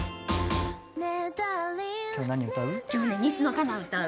今日何歌う？